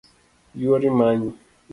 Yuori manyi